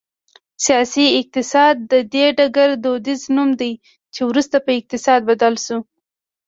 سیاسي اقتصاد د دې ډګر دودیز نوم دی چې وروسته په اقتصاد بدل شو